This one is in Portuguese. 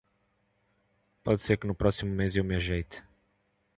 Pode ser que no próximo mês eu me ajeite.